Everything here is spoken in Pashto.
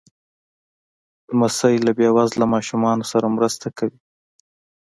لمسی له بې وزله ماشومانو سره مرسته کوي.